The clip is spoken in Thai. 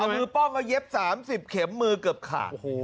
มือป้อมก็เย็บ๓๐เข็มมือเกือบขาด